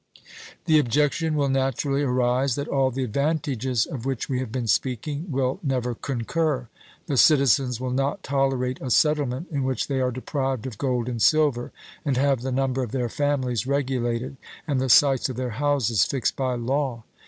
The objection will naturally arise, that all the advantages of which we have been speaking will never concur. The citizens will not tolerate a settlement in which they are deprived of gold and silver, and have the number of their families regulated, and the sites of their houses fixed by law.